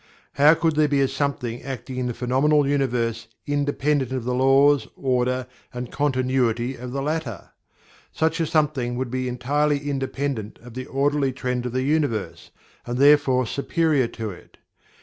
How could there be a something acting in the phenomenal universe, independent of the laws, order, and continuity of the latter? Such a something would be entirely independent of the orderly trend of the universe, and therefore superior to it.